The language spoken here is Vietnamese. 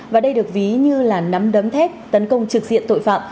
và đây được ví như là nắm đấm thép tấn công trực diện tội phạm